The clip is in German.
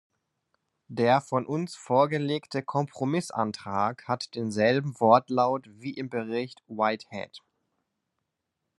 Der von uns vorgelegte Kompromissantrag hat denselben Wortlaut wie im Bericht Whitehead.